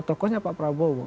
tokohnya pak prabowo